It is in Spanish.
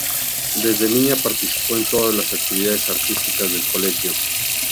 Desde niña participó en todas las actividades artísticas del colegio.